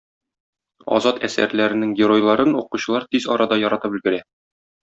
Азат әсәрләренең геройларын укучылар тиз арада яратып өлгерә.